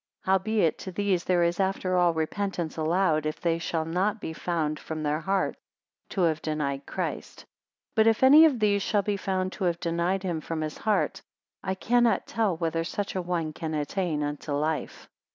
223 Howbeit, to these there is, after all, repentance allowed, if they shall not be found from their hearts to have denied Christ; but if any of these shall be found to have denied him from his heart, I cannot tell whether such a one can attain unto life.